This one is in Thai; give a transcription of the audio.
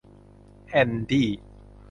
แอนดี้